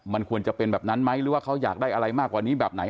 มันควรจะเป็นแบบนั้นไหมหรือว่าเขาอยากได้อะไรมากกว่านี้แบบไหน